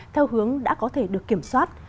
theo hướng đã có thể được kiểm soát